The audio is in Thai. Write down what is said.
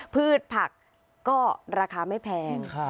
พืชผักก็ราคาไม่แพง